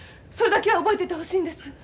それだけは覚えててほしいんです。